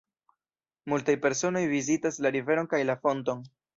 Multaj personoj vizitas la riveron kaj la fonton.